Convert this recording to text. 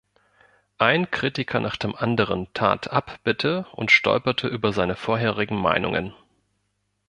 Ein Kritiker nach dem anderen tat Abbitte und stolperte über seine vorherigen Meinungen.